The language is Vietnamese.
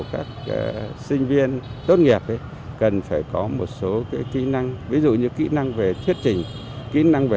các sinh viên tốt nghiệp cần phải có một số kỹ năng ví dụ như kỹ năng về thuyết trình kỹ năng về